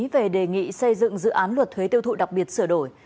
về đề nghị xây dựng dự án luật thuế tiêu thụ đặc biệt sửa đổi